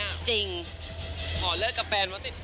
แล้วก็แบบเล่นเกมอยู่อย่างนี้เลิกไปสองวันก็กลับมาติดไป